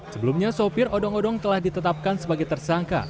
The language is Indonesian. sebelumnya sopir odong odong telah ditetapkan sebagai tersangka